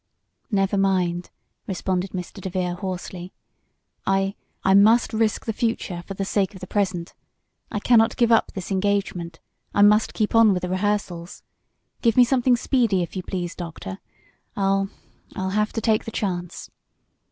"Never mind!" responded Mr. DeVere, hoarsely. "I I must risk the future for the sake of the present. I cannot give up this engagement. I must keep on with the rehearsals. Give me something speedy, if you please, Doctor. I'll I'll have to take the chance."